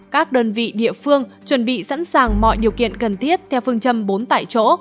các đơn vị địa phương chuẩn bị sẵn sàng mọi điều kiện cần thiết theo phương châm bốn tại chỗ